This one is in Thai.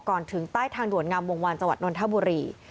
ก่อนถึงใต้ทางด่วนงำวงวันจวัตรนทบุรี